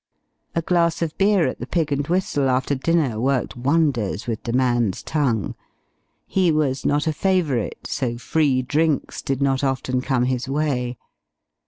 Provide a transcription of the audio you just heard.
A glass of beer at the "Pig and Whistle" after dinner worked wonders with the man's tongue. He was not a favourite, so free drinks did not often come his way.